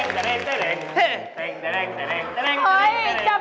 เค้าเป็นในแก้วหนามยา